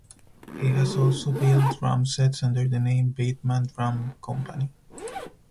He has also built drum sets under the name Bateman Drum Company.